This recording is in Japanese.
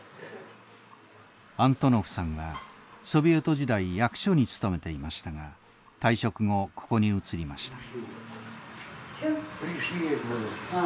アントノフさんはソビエト時代役所に勤めていましたが退職後ここに移りました。